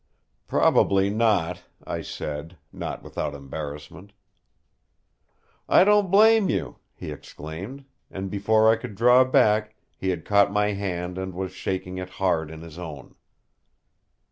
"Probably not," I said, not without embarrassment. "I don't blame you," he exclaimed, and before I could draw back he had caught my hand and was shaking it hard in his own.